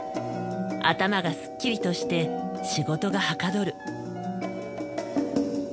頭がすっきりとして仕事がはかどる。